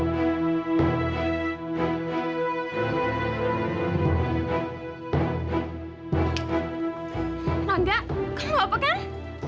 gue nggak peduli